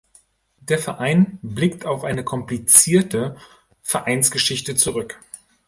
Der Verein blickt auf eine komplizierte Vereinsgeschichte zurück.